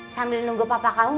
sambil nunggu papa kamu